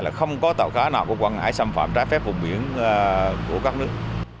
là không có tàu cá nào có quan ngãi xâm phạm trái phép vùng biển của các nước